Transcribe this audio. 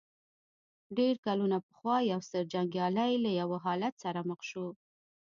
ډېر کلونه پخوا يو ستر جنګيالی له يوه حالت سره مخ شو.